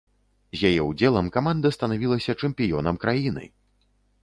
З яе ўдзелам каманда станавілася чэмпіёнам краіны!